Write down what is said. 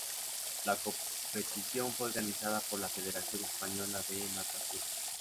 La competición fue organizada por la Federación Española de Natación.